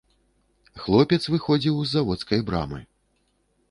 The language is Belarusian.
Хлопец выходзіў з заводскай брамы.